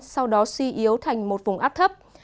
sau đó suy yếu thành một vùng áp thấp